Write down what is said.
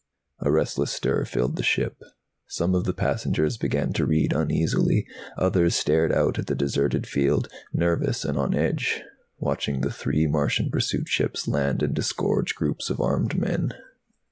A restless stir filled the ship. Some of the passengers began to read uneasily, others stared out at the deserted field, nervous and on edge, watching the three Martian pursuit ships land and disgorge groups of armed men.